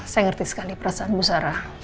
saya ngerti sekali perasaan bu sarah